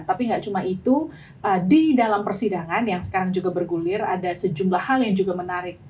tapi nggak cuma itu di dalam persidangan yang sekarang juga bergulir ada sejumlah hal yang juga menarik